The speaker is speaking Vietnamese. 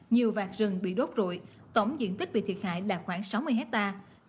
nhiều vạt rừng bị đốt rụi tổng diện tích bị thiệt hại là khoảng sáu mươi hectare